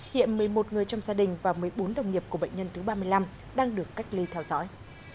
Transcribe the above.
hiện một mươi một người trong gia đình và một mươi bốn đồng nghiệp của bệnh nhân thứ ba mươi năm đang được cách ly theo dõi